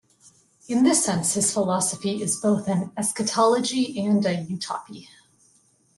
In this sense his philosophy is both an eschatology and an utopy.